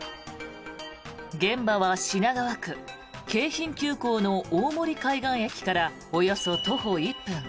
現場は品川区京浜急行の大森海岸駅からおよそ徒歩１分。